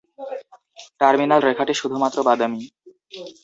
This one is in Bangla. টার্মিনাল রেখাটি শুধুমাত্র বাদামী।